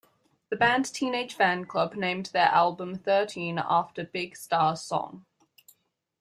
The band Teenage Fanclub named their album Thirteen after Big Star's song.